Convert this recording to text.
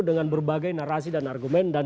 dengan berbagai narasi dan argumen dan